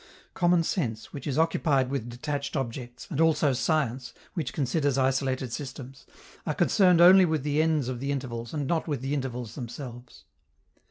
Common sense, which is occupied with detached objects, and also science, which considers isolated systems, are concerned only with the ends of the intervals and not with the intervals themselves.